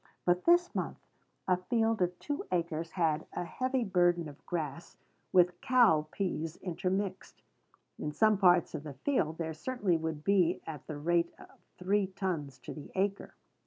But this month a field of two acres had a heavy burden of grass, with cow pease intermixed. In some parts of the field, there certainly would be at the rate of three tons to the acre.